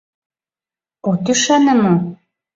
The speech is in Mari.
— От ӱшане мо?